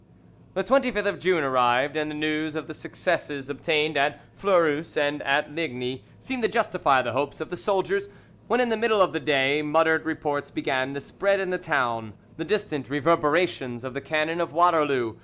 "The 25th of June arrived, and the news of the successes obtained at Fleurus and at Ligny seemed to justify the hopes of the soldiers, when, in the middle of the day, muttered reports began to spread in the town, the distant reverberations of the cannon of Waterloo.